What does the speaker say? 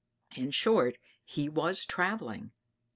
In short, he was travelling.